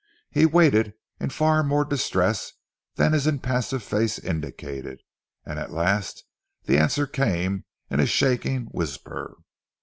He waited in far more distress than his impassive face indicated, and at last the answer came in a shaking whisper.